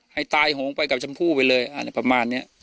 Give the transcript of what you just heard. ให้ตายโหงไปกับชมผู้ไปเลยประมาณเนี่ย